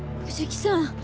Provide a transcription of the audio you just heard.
藤木さん